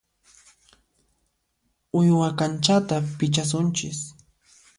Uywa kanchata pichasunchis.